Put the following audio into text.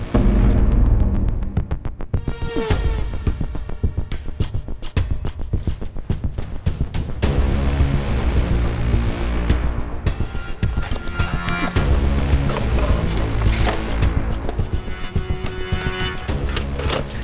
lagi gak ada yang liat